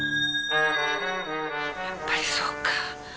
やっぱりそうか。